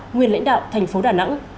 nguyên lãnh đạo thành phố đà nẵng